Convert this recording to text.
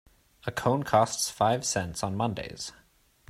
A cone costs five cents on Mondays.